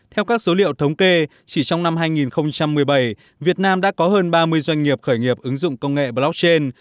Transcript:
theo các số liệu thống kê chỉ trong năm hai nghìn một mươi bảy việt nam đã có hơn ba mươi doanh nghiệp khởi nghiệp ứng dụng công nghệ blockchain